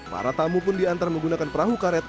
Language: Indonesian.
para tamu pun diantar menggunakan perahu karet